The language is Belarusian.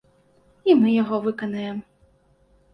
І мы яго выканаем.